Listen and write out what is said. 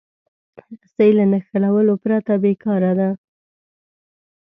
رسۍ له نښلولو پرته بېکاره ده.